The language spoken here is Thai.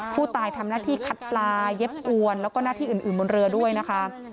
ผู้ตายทำหน้าที่คัดปลาเย็บอวนแล้วก็หน้าที่อื่นบนเรือด้วยนะคะ